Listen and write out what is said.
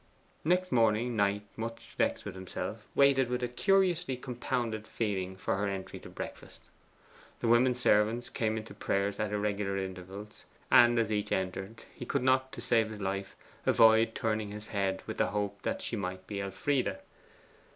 The next morning Knight, much vexed with himself, waited with a curiously compounded feeling for her entry to breakfast. The women servants came in to prayers at irregular intervals, and as each entered, he could not, to save his life, avoid turning his head with the hope that she might be Elfride.